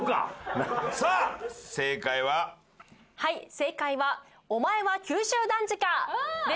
正解は「お前は九州男児か」でした。